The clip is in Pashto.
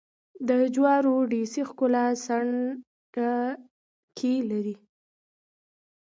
د جوارو ډېسې ښکلې څڼکې لري.